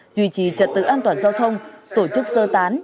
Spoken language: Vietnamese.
duy trì trật tự an toàn giao thông tổ chức sơ tán